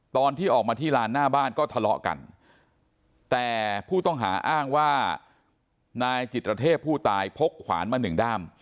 ตอนที่ออกมาที่ลานหน้าบ้านก็ทะเลาะกันแต่ผู้ต้องหาอ้างว่านายจิตรเทพผู้ตายพกขวานมาหนึ่งด้าม